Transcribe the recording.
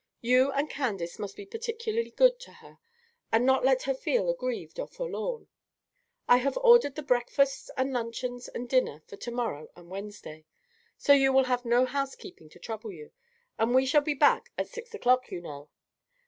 You and Candace must be particularly good to her, and not let her feel aggrieved or forlorn. I have ordered the breakfasts and luncheons and dinner for to morrow and Wednesday, so you will have no housekeeping to trouble you, and we shall be back at six o'clock, you know.